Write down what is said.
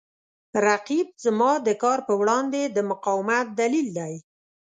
رقیب زما د کار په وړاندې د مقاومت دلیل دی